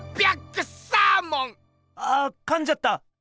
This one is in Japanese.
あかんじゃった！